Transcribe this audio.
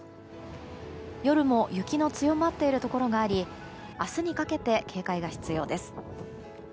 夜も雪の強まっているところがあり明日にかけて警戒が必要です。